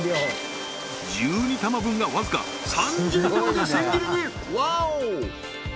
１２玉分がわずか３０秒で千切りにワオ！